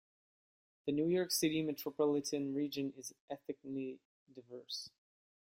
The New York City metropolitan region is ethnically diverse.